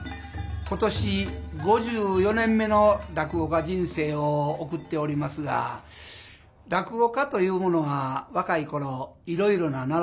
今年５４年目の落語家人生を送っておりますが落語家というものは若い頃いろいろな習い事をいたします。